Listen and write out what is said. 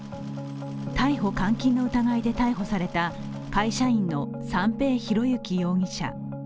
逮捕監禁の疑いで逮捕された会社員の三瓶博幸容疑者。